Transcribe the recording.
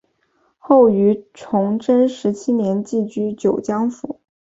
后于崇祯十七年寄居九江府。